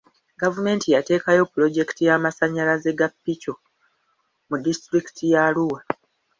Gavumenti yateekayo pulojekiti y'amasanyalaze ga pico mu disitulikiti ye Arua.